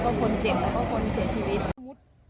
แล้วคนเจ็บและคนเสียชีวิต